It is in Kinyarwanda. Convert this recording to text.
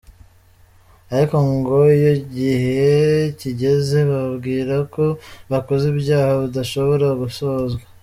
Ariko ngo iyo igihe kigeze bababwira ko bakoze ibyaha budashobora gusohozwa.